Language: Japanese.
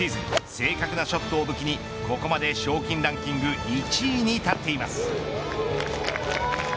正確なショットを武器にここまで賞金ランキング１位に立っています。